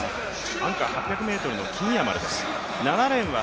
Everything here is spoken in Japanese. アンカーは８００ｍのキンヤマルです。